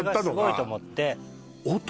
これがすごいと思って